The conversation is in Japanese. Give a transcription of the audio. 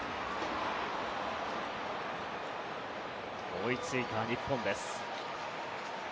追いついた日本です。